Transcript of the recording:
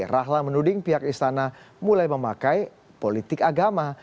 rahlan menuding pihak istana mulai memakai politik agama